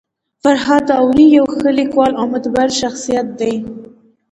فرهاد داوري يو ښه لیکوال او مدبر شخصيت دی.